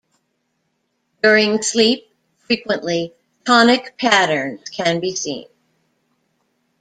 During sleep, frequently, tonic patterns can be seen.